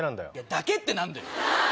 「だけ」って何だよ！